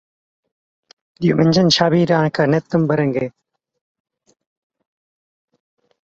Diumenge en Xavi irà a Canet d'en Berenguer.